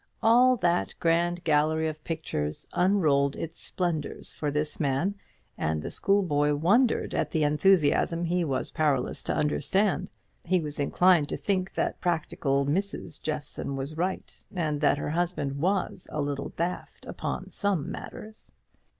All that grand gallery of pictures unrolled its splendours for this man, and the schoolboy wondered at the enthusiasm he was powerless to understand. He was inclined to think that practical Mrs. Jeffson was right, and that her husband was a little "daft" upon some matters.